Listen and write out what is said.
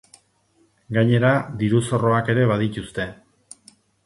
Gainera, diru-zorroak ere badituzte.